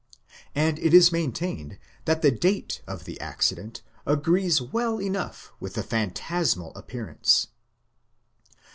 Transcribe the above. And it is maintained that the date of the accident agrees well enough with the phantasmal appearance.